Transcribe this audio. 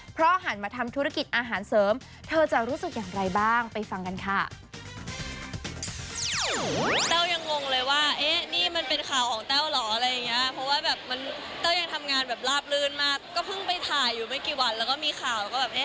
เพราะหันมาทำธุรกิจอาหารเสริมเธอจะรู้สึกอย่างไรบ้างไปฟังกันค่ะ